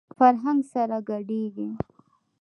فرهنګ سره ګډېږي.